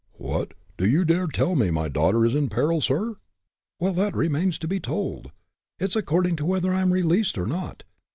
"What! do you dare to tell me my daughter is in peril, sir?" "Well, that remains to be told. It is according to whether I am released or not.